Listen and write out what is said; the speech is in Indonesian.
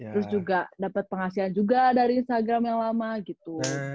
terus juga dapat penghasilan juga dari instagram yang lama gitu